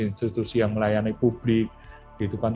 institusi yang melayani publik gitu kan